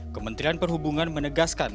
kementerian perhubungan menegaskan